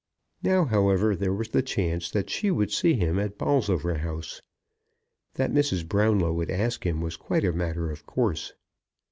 Now, however, there was the chance that she would see him at Bolsover House. That Mrs. Brownlow would ask him was quite a matter of course.